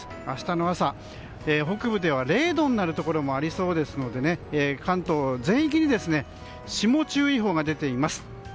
明日の朝、北部では０度になるところもありそうですので関東全域に霜注意報が出ています。